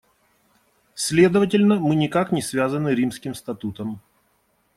Следовательно, мы никак не связаны Римским статутом.